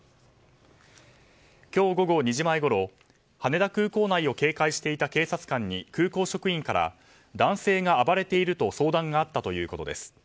今日午後２時前ごろ羽田空港内を警戒していた警察官に空港職員から男性が暴れていると相談があったということです。